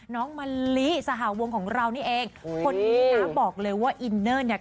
น้องมะลิสหวงของเรานี่เองคนนี้นะบอกเลยว่าอินเนอร์เนี่ย